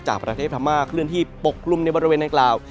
จากประเทศธรรมนาคลื่นที่ปกรุ่มในบริเวณในกล่าว